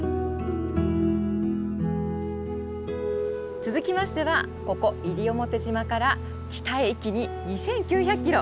続きましてはここ西表島から北へ一気に２，９００キロ。